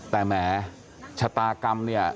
แต่แหมชะตากรรมเนี่ย